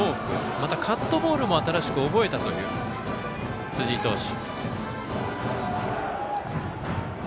またカットボールも新しく覚えたという辻井投手。